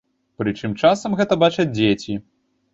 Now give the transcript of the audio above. Прычым часам гэта бачаць дзеці.